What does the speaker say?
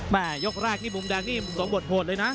ยกแรกนี่มุมแดงนี่สมบทโหดเลยนะ